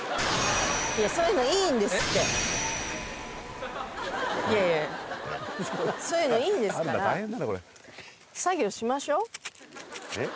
いやそういうのいいんですっていやいやいやいやそういうのいいんですからえっ？